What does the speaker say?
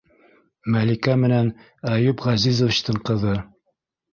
Мәликә менән Әйүп Ғәзизовичтың ҡыҙы...